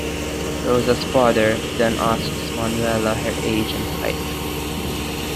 Rosa's father then asks Manuela her age and height.